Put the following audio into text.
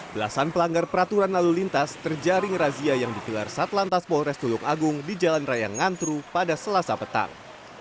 belasan pelanggar peraturan lalu lintas terjaring razia yang dikelar satlantas polres tulung agung di jalan raya ngantru pada selasa petang